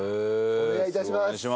お願い致します。